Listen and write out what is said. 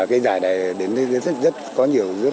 cái giải này đến rất có nhiều